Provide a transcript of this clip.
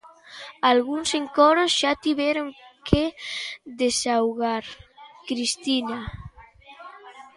Algúns encoros xa tiveron que desaugar, Cristina.